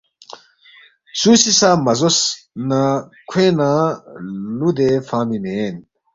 سُو سی سہ مہ زوس نہ کھوینگ نہ لُودے فنگمی مین